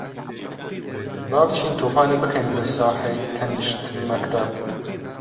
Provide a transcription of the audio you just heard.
با بچین تۆپانێ بکەین لە ساحەی تەنیشت مەکتەب.